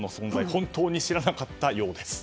本当に知らなかったようです。